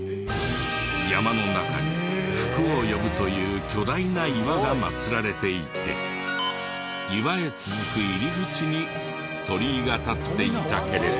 山の中に福を呼ぶという巨大な岩が祭られていて岩へ続く入り口に鳥居が立っていたけれど。